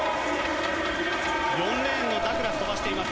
４レーンのダグラス飛ばしています。